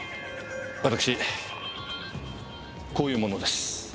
私こういう者です。